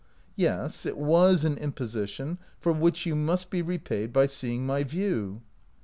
" Yes, it was an imposition, for which you must be repaid by seeing my view."